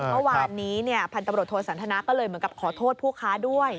เมื่อวานนี้พันตำรวจโทสันทนาก็เลยเหมือนกับขอโทษผู้ค้าด้วย